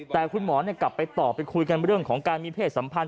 แต่คุณหมอกลับไปต่อไปคุยกันเรื่องของการมีเพศสัมพันธ